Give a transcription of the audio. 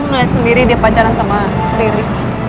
aku melihat sendiri dia pacaran sama riri